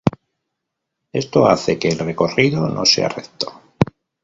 Esto hace que el recorrido no sea recto.